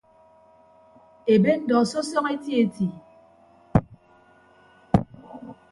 Ebe ndọ sọsọñọ eti eti.